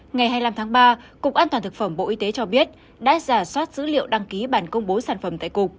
ngày hai mươi năm tháng ba cục an toàn thực phẩm bộ y tế cho biết đã giả soát dữ liệu đăng ký bản công bố sản phẩm tại cục